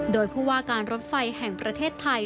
โดยผู้ว่าการรถไฟแห่งประเทศไทย